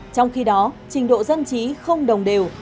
trong khi đó trình độ dân trí không đồng đều